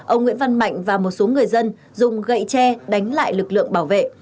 ông nguyễn văn mạnh và một số người dân dùng gậy tre đánh lại lực lượng bảo vệ